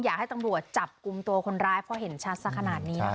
อยากให้ตำรวจจับกลุ่มตัวคนร้ายเพราะเห็นชัดสักขนาดนี้นะคะ